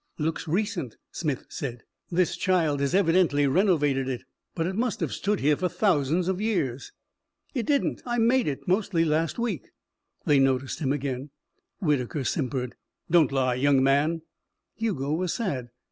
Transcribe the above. "Looks recent," Smith said. "This child has evidently renovated it. But it must have stood here for thousands of years." "It didn't. I made it mostly last week." They noticed him again. Whitaker simpered. "Don't lie, young man." Hugo was sad.